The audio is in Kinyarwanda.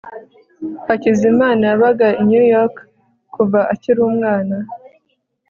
hakizimana yabaga i new york kuva akiri umwana